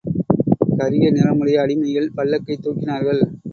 கரிய நிறமுடைய அடிமைகள் பல்லக்கைத் தூக்கினார்கள்.